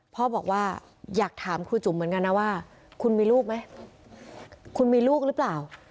พ่อบอกว่าอยากถามครูจุ๋มเหมือนกันนะว่าคุณมีลูกไหมคุณมีลูกหรือเปล่า